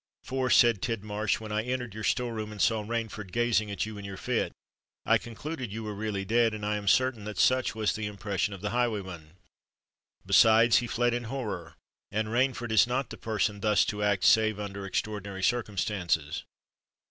"For," said Tidmarsh, "when I entered your store room and saw Rainford gazing at you in your fit, I concluded you were really dead, and I am certain that such was the impression of the highwayman. Besides, he fled in horror; and Rainford is not the person thus to act save under extraordinary circumstances."